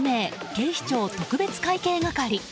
警視庁特別会計係」。